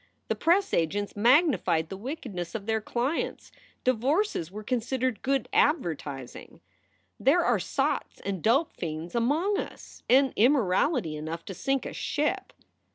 The press agents magnified the wickedness of their clients. Divorces were considered good advertising. "There are sots and dope fiends among us, and immorality enough to sink a ship."